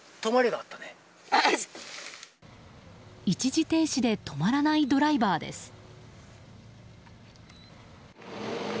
一時停止で止まらないドライバーです。